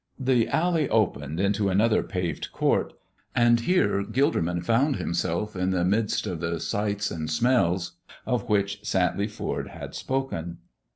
The alley opened into another paved court, and here Gilderman found himself in the midst of the sights and smells of which Santley Foord had spoken.